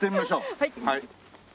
はい。